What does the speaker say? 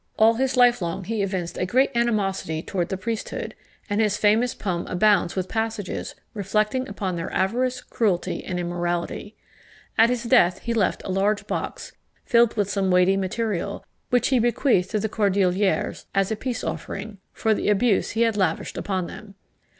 All his life long he evinced a great animosity towards the priesthood, and his famous poem abounds with passages reflecting upon their avarice, cruelty, and immorality. At his death he left a large box, filled with some weighty material, which he bequeathed to the Cordeliers, as a peace offering, for the abuse he had lavished upon them.